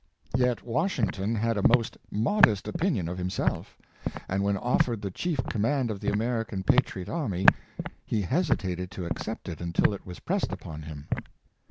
Yet Washington had a most modest opinion of him self; and when offered the chief command of the Amer ican patriot army, he hesitated to accept it until it was pressed upon him.